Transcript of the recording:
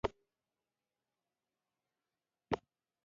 هم په دام کي وه دانه هم غټ ملخ وو